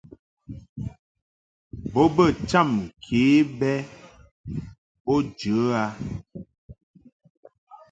Bo bə cham ke bɛ bo jə a.